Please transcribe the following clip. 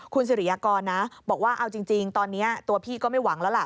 คุณสิริยากรนะบอกว่าเอาจริงตอนนี้ตัวพี่ก็ไม่หวังแล้วล่ะ